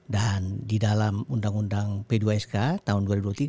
dan di dalam undang undang p dua sk tahun dua ribu dua puluh tiga